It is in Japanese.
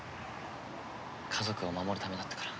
家族を守るためだったから。